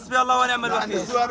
semoga allah menjaga mereka